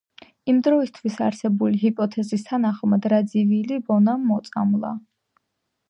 იმ დროისთვის, არსებული ჰიპოთეზის თანახმად, რაძივილი ბონამ მოწამლა.